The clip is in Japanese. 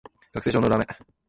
学生証の裏面